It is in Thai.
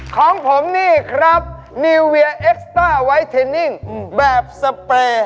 ของผมนี่ครับนิวเวียเอ็กซเตอร์ไวเทนนิ่งแบบสเปย์